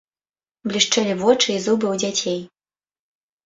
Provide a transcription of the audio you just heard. Блішчэлі вочы і зубы ў дзяцей.